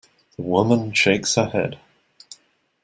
The woman shakes her head.